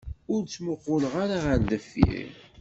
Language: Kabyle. Ur ttmuqquleɣ ara ɣer deffir.